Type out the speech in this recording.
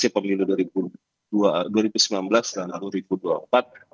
tapi kan faktor politik yang kita lihat antara hasil pemilu dua ribu sembilan belas dan dua ribu dua puluh empat